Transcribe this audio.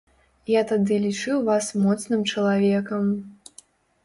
Я тады лічыў вас моцным чалавекам.